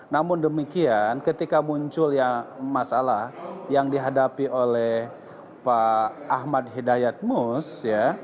namun demikian ketika muncul masalah yang dihadapi oleh pak ahmad hidayat mus